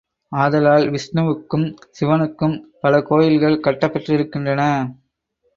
ஆதலால் விஷ்ணுவுக்கும் சிவனுக்கும் பல கோயில்கள் கட்டப் பெற்றிருக்கின்றன.